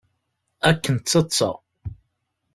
Akken d taḍsa!